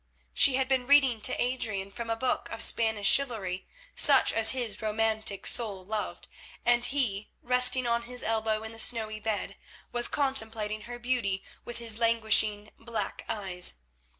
She had been reading to Adrian from a book of Spanish chivalry such as his romantic soul loved, and he, resting on his elbow in the snowy bed, was contemplating her beauty with his languishing black eyes.